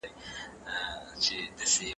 د ډبرو سکرو دود څه زیان لري؟